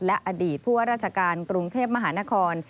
และอดีตผู้ว่าราชการกรุงเทพมหานคร